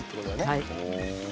はい。